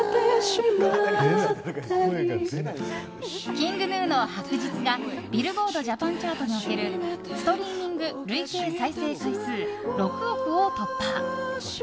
ＫｉｎｇＧｎｕの「白日」がＢｉｌｌｂｏａｒｄＪＡＰＡＮチャートにおけるストリーミング累計再生回数６億を突破！